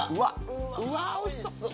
うわっおいしそう！